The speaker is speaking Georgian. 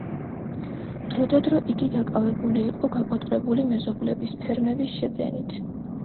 დრო და დრო იგი დაკავებული იყო გაკოტრებული მეზობლების ფერმების შეძენით.